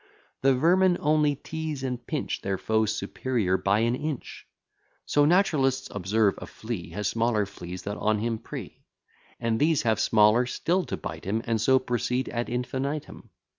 The vermin only teaze and pinch Their foes superior by an inch. So, naturalists observe, a flea Has smaller fleas that on him prey; And these have smaller still to bite 'em, And so proceed ad infinitum.